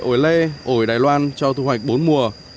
loại ổi lê ổi đài loan cho thu hoạch bốn mùa